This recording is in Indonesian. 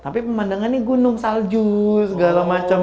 tapi pemandangannya gunung salju segala macam